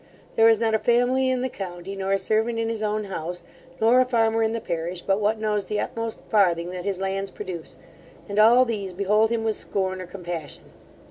There is not a family in the county nor a servant in his own house, nor a farmer in the parish, but what knows the utmost farthing that his lands produce, and all these behold him with scorn or compassion.